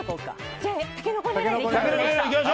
じゃあ、タケノコ狙いでいきます！